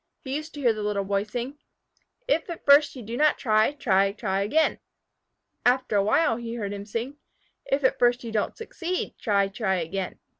He used to hear the Little Boy sing. If at first you do not try Try, try again. After a while he heard him sing. If at first you don't succeed Try, try again.